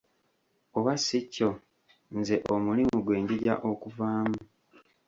Oba si kyo nze omulimu gwe njija okuvaamu.